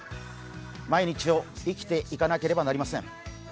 毎日を生きていかなければなりません。